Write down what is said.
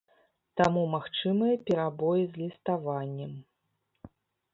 Таму магчымыя перабой з ліставаннем.